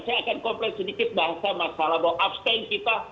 saya akan komplain sedikit bahasa masalah bahwa abstain kita